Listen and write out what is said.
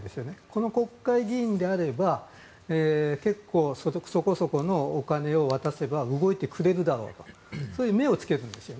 この国会議員であれば結構、そこそこのお金を渡せば動いてくれるだろうと目をつけるんですよ。